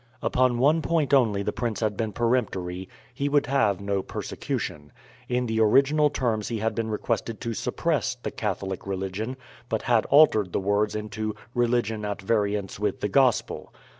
Upon one point only the prince had been peremptory, he would have no persecution. In the original terms he had been requested to suppress "the Catholic religion," but had altered the words into "religion at variance with the Gospel."